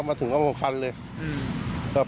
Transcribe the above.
มาถึงอ้องฟังฟันเลย